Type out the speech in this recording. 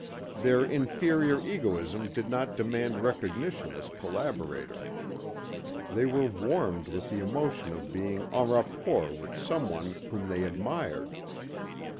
Their inferior egoism did not demand recognition as collaborator. They were warmed with the emotion of being en rapport with someone whom they admired.